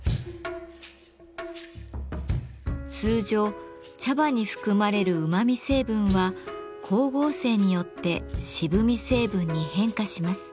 通常茶葉に含まれるうまみ成分は光合成によって渋み成分に変化します。